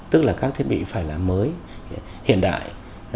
tức là các thiết bị phải làm mới hiện đại